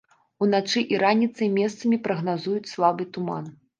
Уначы і раніцай месцамі прагназуюць слабы туман.